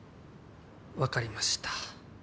分かりました。